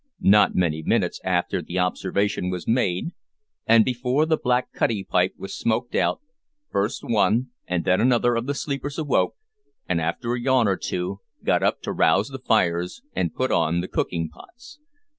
Not many minutes after the observation was made, and before the black cutty pipe was smoked out, first one and then another of the sleepers awoke, and, after a yawn or two, got up to rouse the fires and put on the cooking pots.